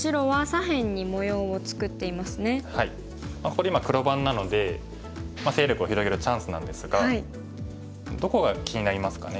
ここで今黒番なので勢力を広げるチャンスなんですがどこが気になりますかね。